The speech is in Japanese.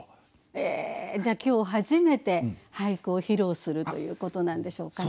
えじゃあ今日初めて俳句を披露するということなんでしょうかね。